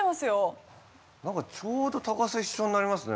何かちょうど高さ一緒になりますね